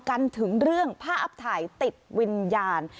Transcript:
กันถึงเรื่องผ้าอับถ่ายติดวิญญาณ